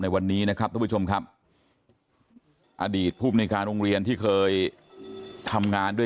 วันนี้ครอบครัว